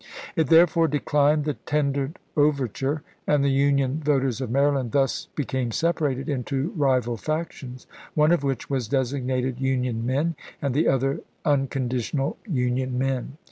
It therefore declined the tendered over ture, and the Union voters of Maryland thus be came separated into rival factions, one of which was designated " Union Men," and the other " Un conditional Union Men."